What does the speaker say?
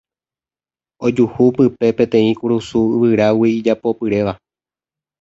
ojuhu pype peteĩ kurusu yvyrágui ijapopyréva